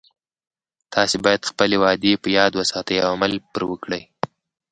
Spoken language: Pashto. تاسې باید خپلې وعدې په یاد وساتئ او عمل پری وکړئ